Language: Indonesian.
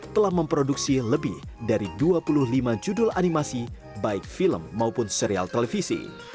telah memproduksi lebih dari dua puluh lima judul animasi baik film maupun serial televisi